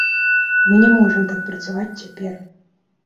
Мы не можам так працаваць цяпер.